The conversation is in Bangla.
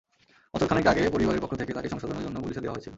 বছর খানেক আগে পরিবারের পক্ষ থেকে তাঁকে সংশোধনের জন্য পুলিশে দেওয়া হয়েছিল।